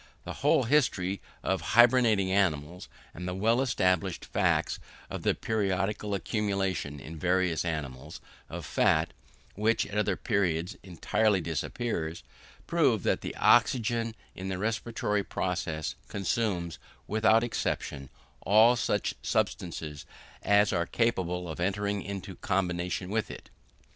The whole history of hybernating animals, and the well established facts of the periodical accumulation, in various animals, of fat, which, at other periods, entirely disappears, prove that the oxygen, in the respiratory process, consumes, without exception, all such substances as are capable of entering into combination with it.